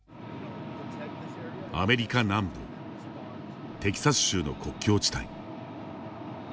アメリカ南部テキサス州の国境地帯。